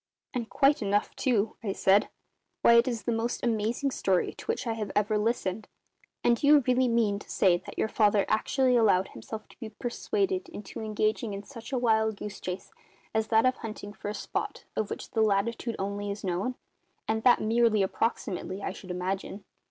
"And quite enough, too," I said. "Why, it is the most amazing story to which I have ever listened. And do you really mean to say that your father actually allowed himself to be persuaded into engaging in such a wild goose chase as that of hunting for a spot of which the latitude only is known and that merely approximately, I should imagine."